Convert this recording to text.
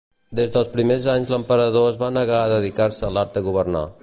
Des dels primers anys l'emperador es va negar a dedicar-se a l'art de governar.